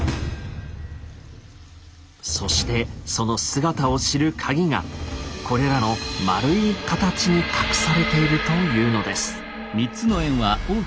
そしてその姿を知るカギがこれらの円い形に隠されているというのです。